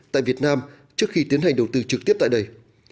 tại việt nam trước khi tiến hành đầu tư trực tiếp tại đây